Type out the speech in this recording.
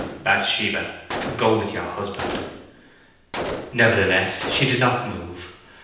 "Bathsheba, go with your husband!" Nevertheless, she did not move.